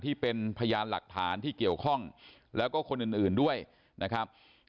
ที่เป็นพยานหลักฐานที่เกี่ยวข้องแล้วก็คนอื่นด้วยนะครับ